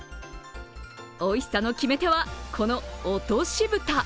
おいしさの決め手はこの落とし蓋。